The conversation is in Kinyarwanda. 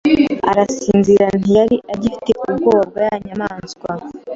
Arasinzira ntiyari agifite ubwoba bwayanyamaswa